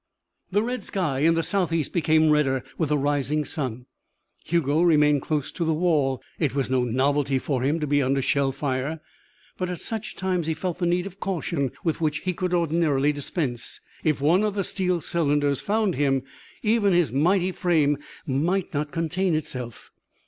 The red sky in the southeast became redder with the rising sun. Hugo remained close to the wall. It was no novelty for him to be under shell fire. But at such times he felt the need of a caution with which he could ordinarily dispense. If one of the steel cylinders found him, even his mighty frame might not contain itself.